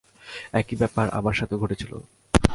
একই ব্যাপার আমার সাথেও ঘটেছিল।